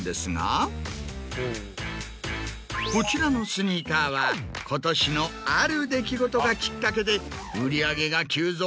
こちらのスニーカーは今年のある出来事がきっかけで売り上げが急増。